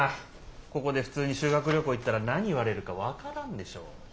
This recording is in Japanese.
ここで普通に修学旅行行ったら何言われるか分からんでしょ。